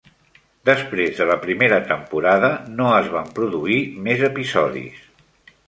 Després de la primera temporada, no es van produir més episodis.